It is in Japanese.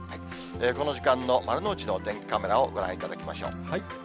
こち時間の丸の内のお天気カメラをご覧いただきましょう。